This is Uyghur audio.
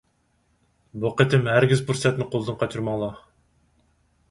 بۇ قېتىم ھەرگىز پۇرسەتنى قولدىن قاچۇرماڭلار!